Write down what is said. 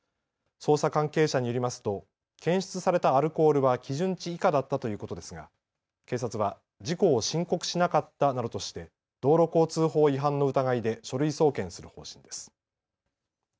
捜査関係者によりますと検出されたアルコールは基準値以下だったということですが警察は事故を申告しなかったなどとして道路交通法違反の疑いで書類送検する方針です。